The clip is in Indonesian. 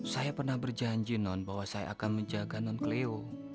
saya pernah berjanji non bahwa saya akan menjaga non cleo